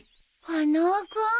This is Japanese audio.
花輪君？